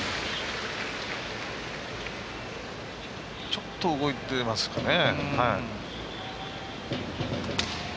ちょっと動いてますかね。